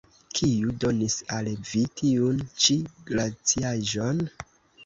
Kiu donis al vi tiun ĉi glaciaĵon?